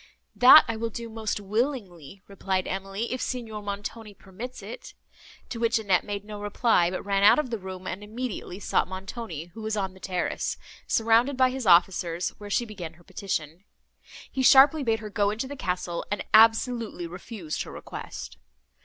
"That I will do most willingly," replied Emily, "if Signor Montoni permits it;" to which Annette made no reply, but ran out of the room, and immediately sought Montoni, who was on the terrace, surrounded by his officers, where she began her petition. He sharply bade her go into the castle, and absolutely refused her request.